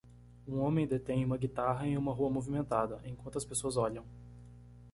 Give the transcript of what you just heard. Um homem detém uma guitarra em uma rua movimentada, enquanto as pessoas olham.